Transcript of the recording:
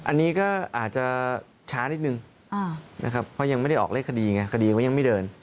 อันนี้ก็อาจจะช้านิดนึงนะครับเพราะยังไม่ได้ออกเลขคดีไงคดีมันยังไม่เดิน